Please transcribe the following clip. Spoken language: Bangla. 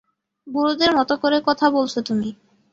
বুড়োদের মতো করে কথা বলছো তুমি।